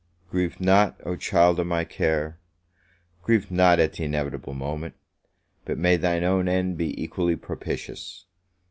Grieve not, oh child of my care! Grieve not at the inevitable moment! but may thy own end be equally propitious!